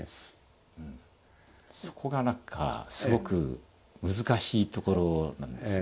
うんそこがなんかすごく難しいところなんですが。